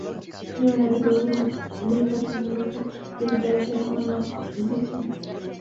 নির্মাণের আগে দোদুল ভাই এনটিভির কাছে নাটকটির শিল্পী তালিকায় আমার নাম দিয়েছিলেন।